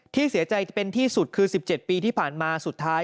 ที่เสียใจจะเป็นที่สุดคือ๑๗ปีที่ผ่านมาสุดท้าย